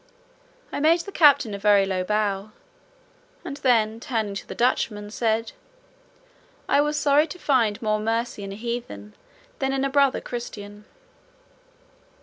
I made the captain a very low bow, and then, turning to the Dutchman, said, "I was sorry to find more mercy in a heathen, than in a brother christian."